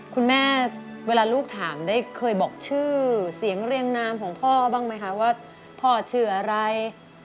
เวลาลูกถามได้เคยบอกชื่อเสียงเรียงนามของพ่อบ้างไหมคะว่าพ่อชื่ออะไร